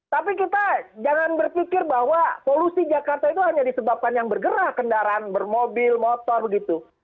tapi kita jangan berpikir bahwa polusi jakarta itu hanya disebabkan yang bergerak kendaraan bermobil motor begitu